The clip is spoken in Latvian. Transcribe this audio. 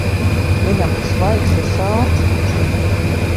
Viņam tas vaigs ir sārts taču.